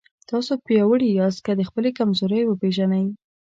تاسو پیاوړي یاست که خپلې کمزورۍ وپېژنئ.